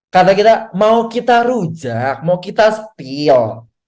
kata kita mau kita rujak mau kita steal